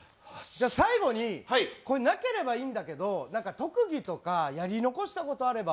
じゃあ最後に、これなければいいんだけど、なんか特技とかやり残したことあれば？